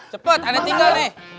cepet aneh tinggal nih